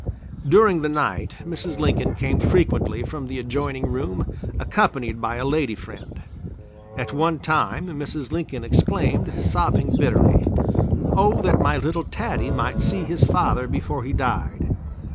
During the night Mrs. Lincoln came frequently from the adjoining room accompanied by a lady friend. At one time Mrs. Lincoln exclaimed, sobbing bitterly: "Oh! that my little Taddy might see his father before he died!"